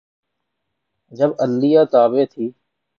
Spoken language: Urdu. جب عدلیہ تابع تھی۔